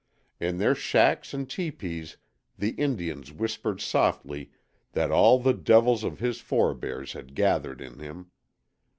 In their shacks and teepees the Indians whispered softly that all the devils of his forebears had gathered in him.